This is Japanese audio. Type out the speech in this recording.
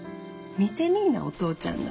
見てみいなお父ちゃんら。